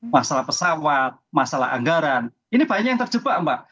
masalah pesawat masalah anggaran ini banyak yang terjebak mbak